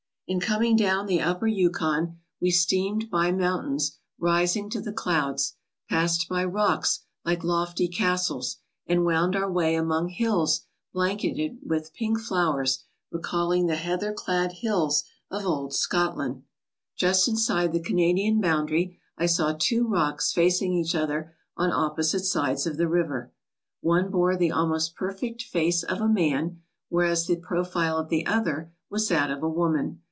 In coming down the Upper Yukon we steamed by mountains rising to the clouds, passed by rocks like lofty castles, and wound our way among hills blanketed with pink flowers recalling the heather clad hills of old Scot land. Just inside the Canadian boundary I saw two rocks facing each other on opposite sides of the river. One bore the almost perfect face of a man, whereas the profile of the other was that of a woman.